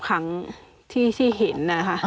๒๓ครั้งที่เห็น